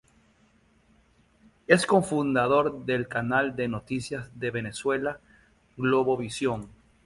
Es cofundador del canal de noticias de Venezuela, Globovisión.